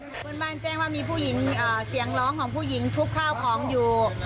เพื่อนบ้านแจ้งว่ามีผู้หญิงเสียงร้องของผู้หญิงทุบข้าวของอยู่